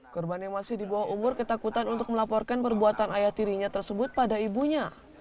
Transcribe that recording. korban yang masih di bawah umur ketakutan untuk melaporkan perbuatan ayah tirinya tersebut pada ibunya